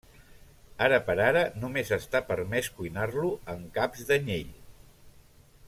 Ara per ara només està permès cuinar-lo amb caps d'anyell.